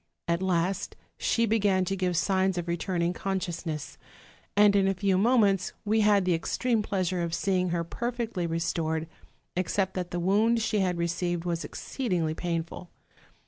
At last she began to give signs of return ing consciousness; and in a few moments we had the ex treme pleasure of seeing her perfectly restored, except that the wound she had received was exceedingly pain ful.